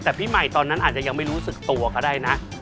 แต่พี่ใหม่ตอนนั้นอาจจะยังไม่รู้สึกตัวก็ได้นะ